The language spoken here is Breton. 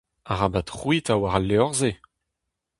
Arabat c'hwitañ war al levr-se !